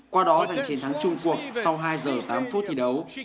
qua đó giành chiến thắng trung quốc sau hai giờ tám phút thi đấu